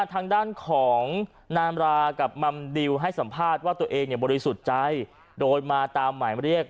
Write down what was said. ทางด้านของนามรากับมัมดิวให้สัมภาษณ์ว่าตัวเองบริสุทธิ์ใจโดยมาตามหมายเรียก